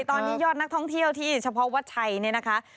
ตอนนี้ยอดนักท่องเที่ยวที่เฉพาะวัดชัยเนี่ยนะคะ